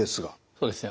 そうですね。